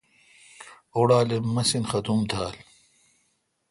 اوڑال اے مسین ختُم تھال۔